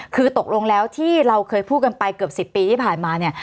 คือตกลงแล้วที่เราเคยพูดกันไปเกือบ๑๐ปีที่ผ่านมาเนี่ย